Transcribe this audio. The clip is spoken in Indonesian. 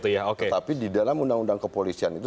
tetapi di dalam undang undang kepolisian itu